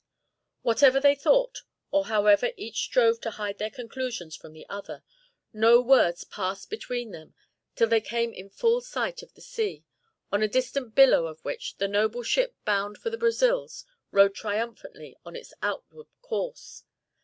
Whatever they thought, or however each strove to hide their conclusions from the other, no words passed between them till they came in full sight of the sea, on a distant billow of which the noble ship bound for the Brazils rode triumphantly on its outward course.